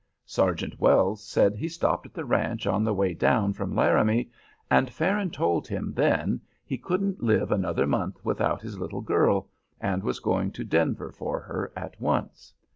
Sergeant Wells said he stopped at the ranch on the way down from Laramie, and Farron told him, then, he couldn't live another month without his little girl, and was going to Denver for her at once."